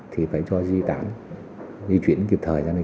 khi mà hàng ngày người dân đang phải sống trong những ngôi nhà bị giãn nứt